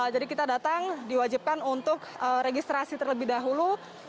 jadi kita datang diwajibkan untuk registrasi terlebih dahulu